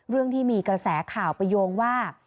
เรื่องที่มีกระแสข่าวประโยงว่า